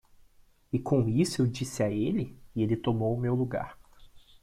E com isso eu disse a ele? e ele tomou o meu lugar.